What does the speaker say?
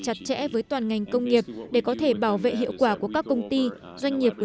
chặt chẽ với toàn ngành công nghiệp để có thể bảo vệ hiệu quả của các công ty doanh nghiệp